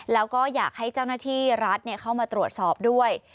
แล้วก็อยากให้เจ้าหน้าที่รัฐเข้ามาตรวจสอบด้วย